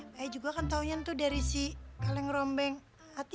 bayi juga kan taunya tuh dari si kaleng rombeng atau